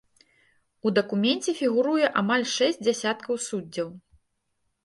У дакуменце фігуруе амаль шэсць дзясяткаў суддзяў.